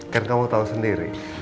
kan kamu tau sendiri